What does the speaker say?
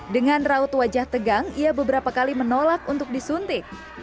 dengan raut wajah tegang ia beberapa kali menolak untuk disuntik